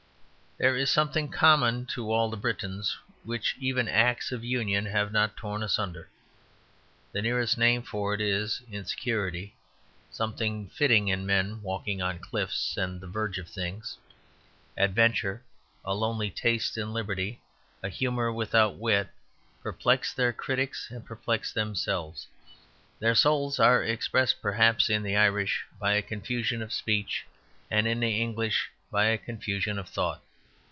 There is something common to all the Britons, which even Acts of Union have not torn asunder. The nearest name for it is insecurity, something fitting in men walking on cliffs and the verge of things. Adventure, a lonely taste in liberty, a humour without wit, perplex their critics and perplex themselves. Their souls are fretted like their coasts. They have an embarrassment, noted by all foreigners: it is expressed, perhaps, in the Irish by a confusion of speech and in the English by a confusion of thought.